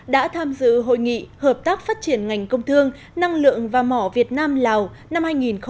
đã tham dự hội nghị hợp tác phát triển ngành công thương năng lượng và mỏ việt nam lào năm hai nghìn một mươi chín